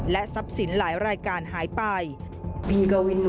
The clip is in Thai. ทรัพย์สินหลายรายการหายไป